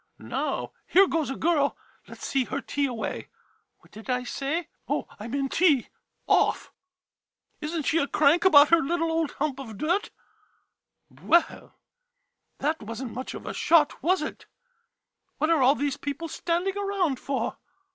Now, here goes a girl — let 's see her tee away. What did I say ?— Oh, I meant tee — off ! Is n't she a crank about her little old hump of dirt? Well — [Disgust] — that was n't much of a shot, was it ? What are all these people standing around for?